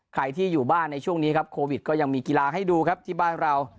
ใครที่อยู่บ้านในช่วงนี้ครับโควิดก็ยังมีกีฬาให้ดูครับที่บ้านเรา